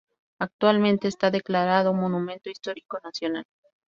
Actualmente está declarado Monumento Histórico Nacional.